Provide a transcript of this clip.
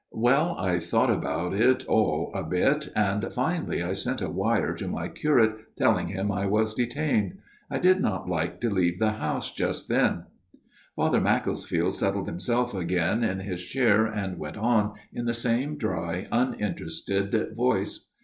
" Well, I thought about it all a bit ; and finally 244 A MIRROR OF SHALOTT I sent a wire to my curate telling him I was detained. I did not like to leave the house just then." Father Macclesfield settled himself again in his chair and went on, in the same dry uninterested voice.